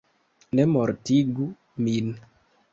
Ne mortigu min!